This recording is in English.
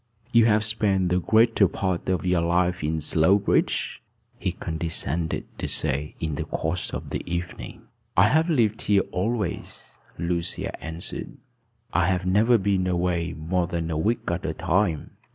"You have spent the greater part of your life in Slowbridge?" he condescended to say in the course of the evening. "I have lived here always," Lucia answered. "I have never been away more than a week at a time."